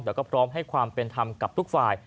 แต่ก็พร้อมให้ความเป็นธรรมกับทุกฝ่าย